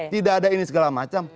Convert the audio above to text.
tidak ada ini segala macam